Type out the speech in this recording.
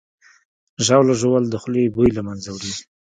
ژاوله ژوول د خولې بوی له منځه وړي.